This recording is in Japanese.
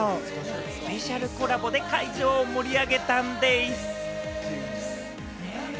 スペシャルコラボで会場を盛り上げたんでぃす。